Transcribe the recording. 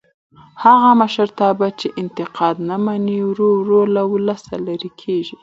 هغه مشرتابه چې انتقاد نه مني ورو ورو له ولسه لرې کېږي